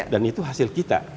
dan itu hasil kita